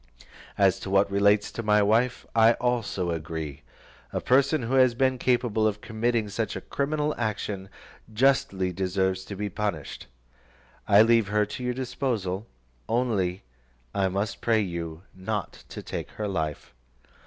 As to what relates to my wife, I also agree; a person who has been capable of committing such a criminal action, justly deserves to be punished. I leave her to your disposal, only I must pray you not to take her life."